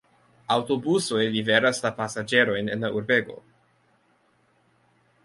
Aŭtobusoj liveras la pasaĝerojn en la urbego.